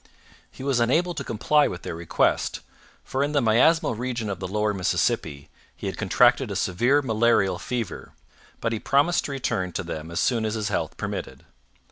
He was unable to comply with their request, for in the miasmal region of the lower Mississippi he had contracted a severe malarial fever; but he promised to return to them as soon as his health permitted.